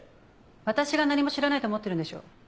私が何も知らないと思ってるんでしょ。